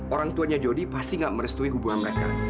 orang tuanya jody pasti gak merestui hubungan mereka